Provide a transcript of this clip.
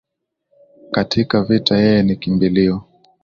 Katika vita yeye ni kimbilio.